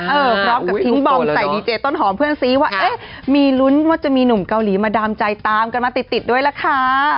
พร้อมกับทิ้งบอมใส่ดีเจต้นหอมเพื่อนซีว่าเอ๊ะมีลุ้นว่าจะมีหนุ่มเกาหลีมาดามใจตามกันมาติดติดด้วยล่ะค่ะ